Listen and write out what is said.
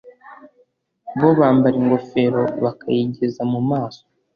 bo bambara ingofero bakayigeza mu maso